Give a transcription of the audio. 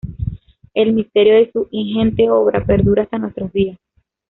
El misterio de su ingente obra perdura hasta nuestros días.